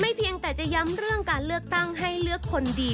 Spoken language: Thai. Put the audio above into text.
เพียงแต่จะย้ำเรื่องการเลือกตั้งให้เลือกคนดี